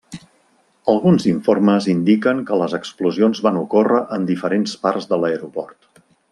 Alguns informes indiquen que les explosions van ocórrer en diferents parts de l'aeroport.